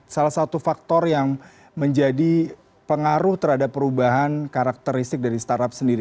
salah satu faktor yang menjadi pengaruh terhadap perubahan karakteristik dari startup sendiri